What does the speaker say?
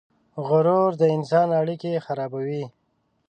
غرور د انسان اړیکې خرابوي.